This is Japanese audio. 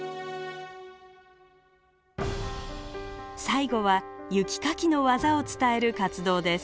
最後は雪かきの技を伝える活動です。